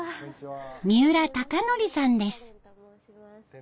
三浦崇典さんです。